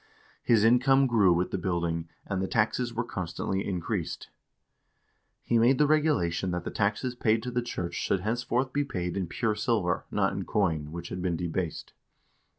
His income grew with the building, and the taxes were constantly increased. He made the regulation that the taxes paid to the church should henceforth be paid in pure silver, not in coin, which had been debased.